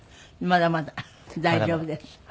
まだまだ大丈夫です。